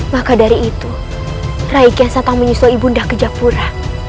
maka dari itu raikian santang menyusul ibu nda ke japura